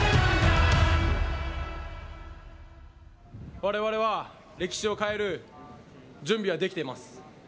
われわれは歴史を変える準備はできています。